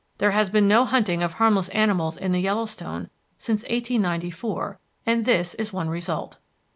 There has been no hunting of harmless animals in the Yellowstone since 1894, and this is one result.